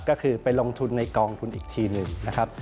ก็คือไปลงทุนในกองทุนอีกทีหนึ่งนะครับ